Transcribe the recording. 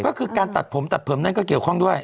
ก็คือการตัดผมตัดผมนั่นก็เกี่ยวข้องด้วย